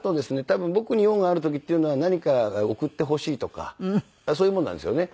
多分僕に用がある時っていうのは何か送ってほしいとかそういうものなんですよね。